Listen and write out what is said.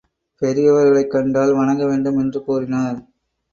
பெரியவர்களைக் கண்டால் வணங்க வேண்டும் என்று கூறினர்.